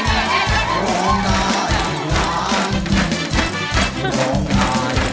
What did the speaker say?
ได้ครับ